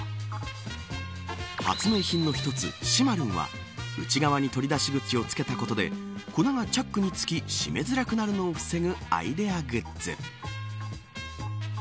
発明品の一つ、しまるんは内側に取り出し口を付けたことで粉がチャックにつき閉めづらくなるのを防ぐアイデアグッズ。